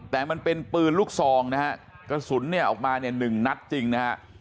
แต่มันเป็นปืนลูกซองนะครับกระสุนออกมาหนึ่งนัดจริงนะครับ